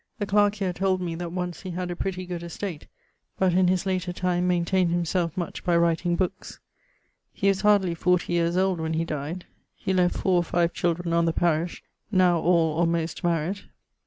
The clarke here told me that once he had a pretty good estate, but in his later time maintained him selfe much by writing bookes[EW]. He was hardly 40 yeares old when he dyed. He left 4 or 5 children on the parish, now all or most maried.